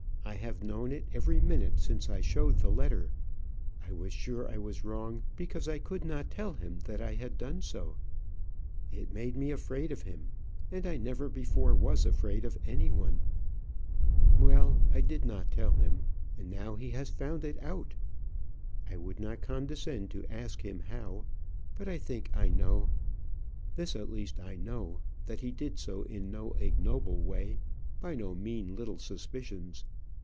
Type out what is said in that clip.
I have known it every minute since I showed the letter. I was sure I was wrong, because I could not tell him that I had done so. It made me afraid of him, and I never before was afraid of any one. Well; I did not tell him, and now he has found it out. I would not condescend to ask him how; but I think I know. This at least I know, that he did so in no ignoble way, by no mean little suspicions.